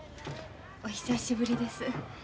お久しぶりです。